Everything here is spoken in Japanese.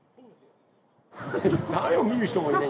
誰も見る人もいない。